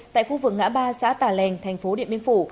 tại khu vực ngã ba xã tà lèn tp điện biên phủ